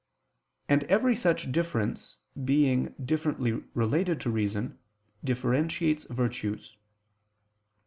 And every such difference, being differently related to reason, differentiates virtues.